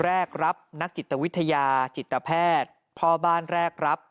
แรกรับนักจิตวิทยาจิตแพทย์พ่อบ้านแรกรับ